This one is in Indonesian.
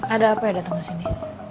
ada apa yang datang ke sini